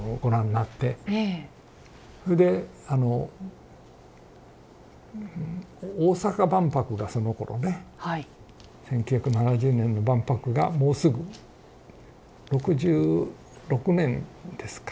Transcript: それで大阪万博がそのころね１９７０年の万博がもうすぐ６６年ですか